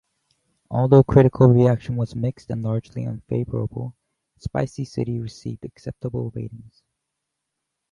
Although critical reaction was mixed and largely unfavorable, "Spicy City" received acceptable ratings.